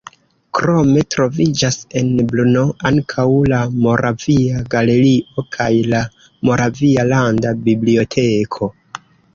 Krome troviĝas en Brno ankaŭ la Moravia galerio kaj la Moravia landa biblioteko.